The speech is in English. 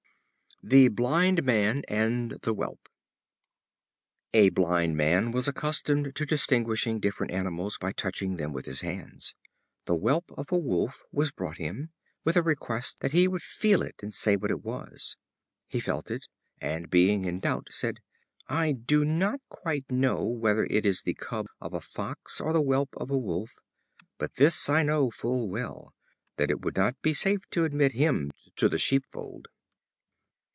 The Blind Man and the Whelp. A Blind Man was accustomed to distinguish different animals by touching them with his hands. The whelp of a Wolf was brought him, with a request that he would feel it, and say what it was. He felt it, and being in doubt, said: "I do not quite know whether it is the cub of a Fox, or the whelp of a Wolf; but this I know full well, that it would not be safe to admit him to the sheepfold."